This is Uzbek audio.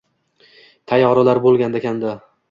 Tayyoralar bo‘lganda kanda